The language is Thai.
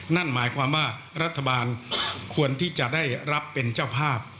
นั่นหมายความว่ารัฐบาลควรที่จะได้รับเป็นเจ้าภาพ